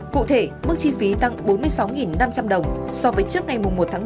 cụ thể mức chi phí tăng bốn mươi sáu năm trăm linh đồng so với trước ngày một bảy hai nghìn hai mươi ba